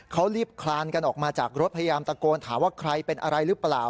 เขารีบคลานกันออกมาจากรถพยายามตะโกนถามว่าใครเป็นอะไรหรือเปล่า